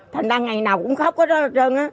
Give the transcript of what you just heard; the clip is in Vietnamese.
thành ra ngày nào cũng khóc hết hết